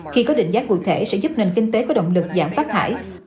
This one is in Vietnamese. khi có định giá cụ thể sẽ giúp nền kinh tế có động lực giảm phát thải